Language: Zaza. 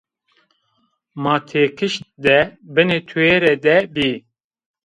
Ma têkişt de binê tûyêre de bî.